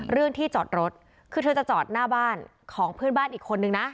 เรื่องที่จอดรถคือเธอจะจอดหน้าบ้านของเพื่อนบ้านอีกคนนึงนะ